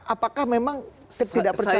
apakah memang ketidak percayaan